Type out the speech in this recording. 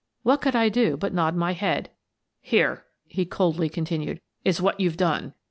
What could I do but nod my head? "Here," he coldly continued, "is what you've done."